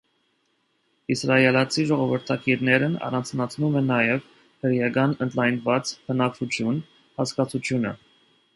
Իսրայելացի ժողովրդագիրներն առանձնացնում են նաև «հրեական ընդլայնված բնակչություն» հասկացությունը։